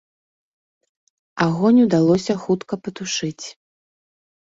Агонь удалося хутка патушыць.